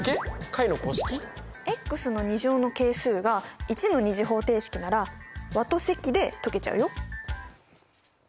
解の公式？の２乗の係数が１の２次方程式なら和と積で解けちゃうよ。